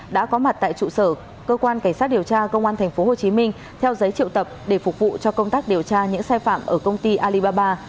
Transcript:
đã có mặt tại trụ sở cơ quan cảnh sát điều tra công an tp hcm theo giấy triệu tập để phục vụ cho công tác điều tra những sai phạm ở công ty alibaba